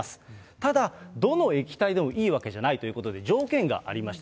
ただ、どの液体でもいいわけじゃないということで、条件がありました。